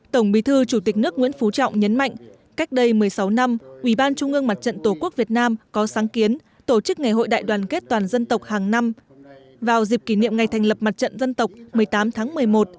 tổng bí thư chủ tịch nước nguyễn phú trọng nhấn mạnh cách đây một mươi sáu năm ubnd tổ quốc việt nam có sáng kiến tổ chức ngày hội đại đoàn kết toàn dân tộc hàng năm vào dịp kỷ niệm ngày thành lập mặt trận dân tộc một mươi tám tháng một mươi một